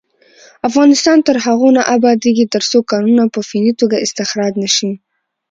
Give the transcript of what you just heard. افغانستان تر هغو نه ابادیږي، ترڅو کانونه په فني توګه استخراج نشي.